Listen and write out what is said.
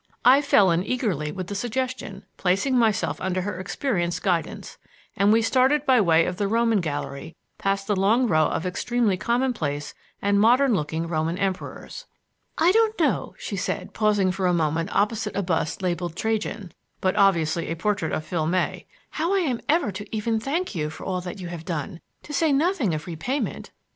I fell in eagerly with the suggestion, placing myself under her experienced guidance, and we started by way of the Roman Gallery, past the long row of extremely commonplace and modern looking Roman Emperors. "I don't know," she said, pausing for a moment opposite a bust labelled "Trajan" (but obviously a portrait of Phil May), "how I am ever even to thank you for all that you have done, to say nothing of repayment."